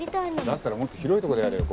だったらもっと広いとこでやれよ